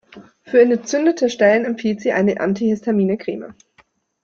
Für entzündete Stellen empfiehlt sie eine antihistamine Creme.